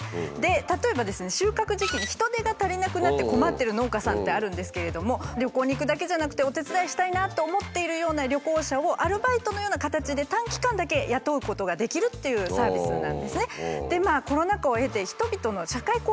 例えばですね収穫時期に人手が足りなくなって困ってる農家さんってあるんですけれども旅行に行くだけじゃなくてお手伝いしたいなと思っているような旅行者をアルバイトのような形で短期間だけ雇うことができるっていうサービスなんですね。